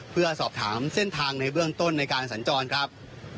เพื่อสอบถามเส้นทางในเบื้องต้นในการสัญจรครับ